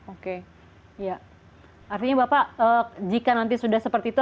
oke ya artinya bapak jika nanti sudah seperti itu